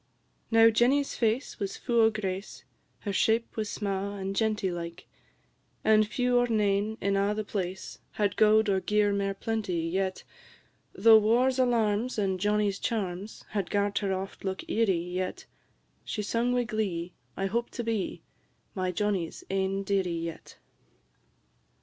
Now Jenny's face was fu' o' grace, Her shape was sma' and genty like, And few or nane in a' the place, Had gowd or gear mair plenty, yet Though war's alarms, and Johnnie's charms, Had gart her oft look eerie, yet She sung wi' glee, "I hope to be My Johnnie's ain dearie yet.